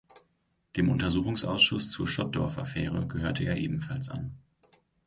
Dem Untersuchungsausschuss zur Schottdorf-Affäre gehörte er ebenfalls an.